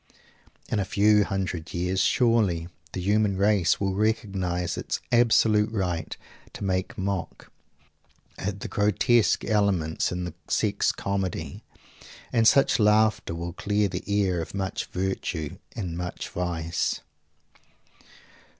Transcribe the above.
In a few hundred years, surely, the human race will recognize its absolute right to make mock at the grotesque elements in the sex comedy, and such laughter will clear the air of much "virtue" and much "vice."